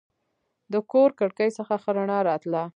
د کور کړکۍ څخه ښه رڼا راتله.